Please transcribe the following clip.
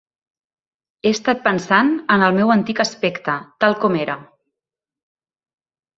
He estat pensant en el meu antic aspecte, tal com era.